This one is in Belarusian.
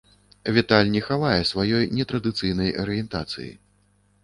Віталь не хавае сваёй нетрадыцыйнай арыентацыі.